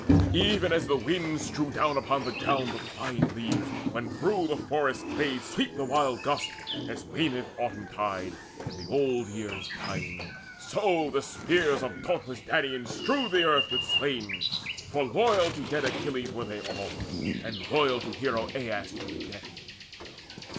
Even as the winds strew down upon the ground The flying leaves, when through the forest glades Sweep the wild gusts, as waneth autumn tide, And the old year is dying; so the spears Of dauntless Danaans strewed the earth with slain, For loyal to dead Achilles were they all, And loyal to hero Aias to the death.